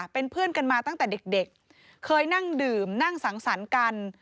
เป็นเพื่อนกันมาตั้งแต่เด็กเคยนั่งดื่มนั่งสังสรรค์กัน